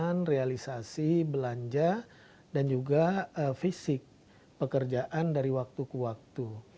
dengan realisasi belanja dan juga fisik pekerjaan dari waktu ke waktu